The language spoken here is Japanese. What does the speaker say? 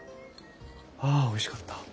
あおいしかった。